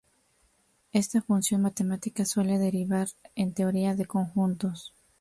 Esta función matemática suele derivar en teoría de conjuntos.